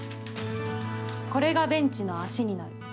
これがベンチの脚になる。